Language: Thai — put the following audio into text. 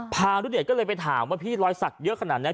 พานุเดชก็เลยไปถามว่าพี่รอยสักเยอะขนาดนี้